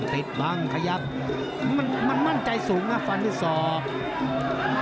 ติดบังขยับมันมั่นใจสูงฟันที่สอง